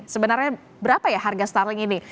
sebenarnya berapa ya harga starling ini